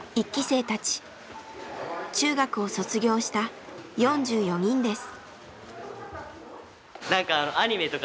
中学を卒業した４４人です。